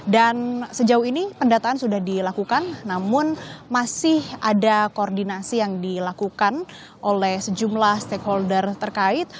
dan sejauh ini pendataan sudah dilakukan namun masih ada koordinasi yang dilakukan oleh sejumlah stakeholder terkait